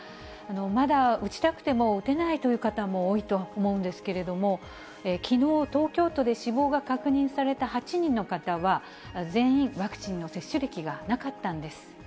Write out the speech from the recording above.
まだ打ちたくても打てないという方も多いとは思うんですけれども、きのう、東京都で死亡が確認された８人の方は、全員ワクチンの接種歴がなかったんです。